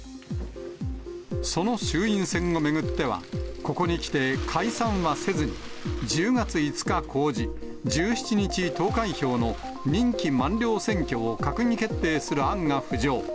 その衆院選を巡っては、ここに来て解散はせずに、１０月５日公示、１７日投開票の任期満了選挙を閣議決定する案が浮上。